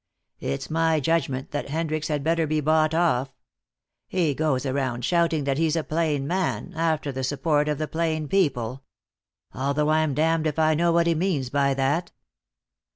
It's my judgment that Hendricks had better be bought off. He goes around shouting that he's a plain man, after the support of the plain people. Although I'm damned if I know what he means by that."